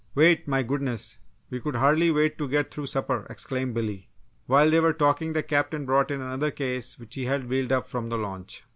"Wait! My goodness, we could hardly wait to get through supper!" exclaimed Billy. While they were talking the Captain brought in another case which he had wheeled up from the launch.